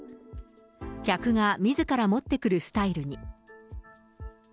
客がみずから持ってくるスタイルに。